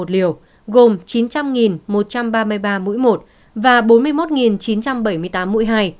một trăm một mươi một liều gồm chín trăm linh một trăm ba mươi ba mũi một và bốn mươi một chín trăm bảy mươi tám mũi hai